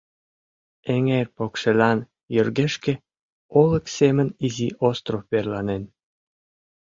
Эҥер покшелан йыргешке олык семын изи остров верланен.